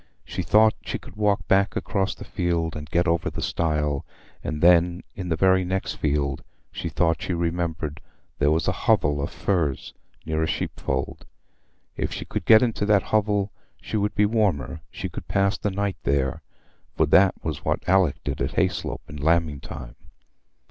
She thought she could walk back across the field, and get over the stile; and then, in the very next field, she thought she remembered there was a hovel of furze near a sheepfold. If she could get into that hovel, she would be warmer. She could pass the night there, for that was what Alick did at Hayslope in lambing time.